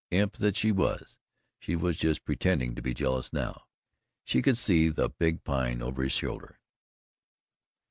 Imp that she was, she was just pretending to be jealous now. She could see the big Pine over his shoulder.